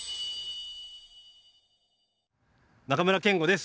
中村憲剛です。